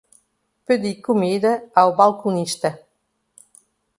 Pedi comida ao balconista.